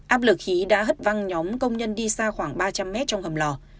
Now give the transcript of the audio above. áp lực khí đã hất văng nhóm công nhân đi xa khoảng ba trăm linh mét trong hầm lò